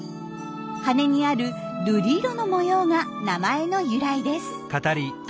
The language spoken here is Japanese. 羽にある瑠璃色の模様が名前の由来です。